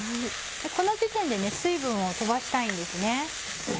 この時点で水分を飛ばしたいんですね。